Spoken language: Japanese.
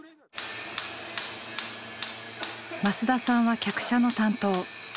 増田さんは客車の担当。